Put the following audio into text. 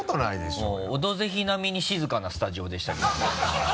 もう「オドぜひ」なみに静かなスタジオでしたけどね。